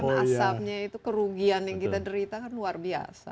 asapnya itu kerugian yang kita derita kan luar biasa